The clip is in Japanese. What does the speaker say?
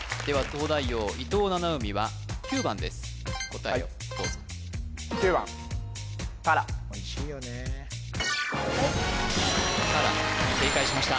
東大王伊藤七海は９番です答えをどうぞはいおいしいよねたら正解しました